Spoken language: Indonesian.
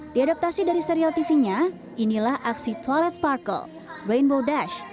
diadaptasi dari serial tv nya inilah aksi twilight sparkle rainbow dash